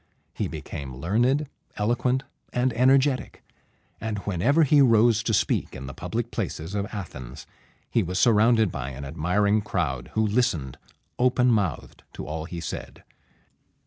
He became learned, eloquent, and energetic; and whenever he rose to speak in the public places of Athens, he was surrounded by an admiring crowd, who listened open mouthed to all he said.